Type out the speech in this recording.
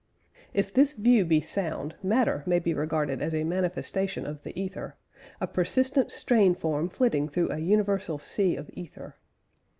" If this view be sound, matter may be regarded as a manifestation of the ether; "a persistent strain form flitting through an universal sea of ether."